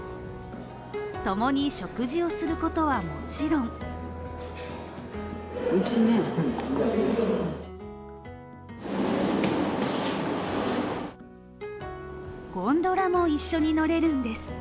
共に食事をすることはもちろんゴンドラも一緒に乗れるんです。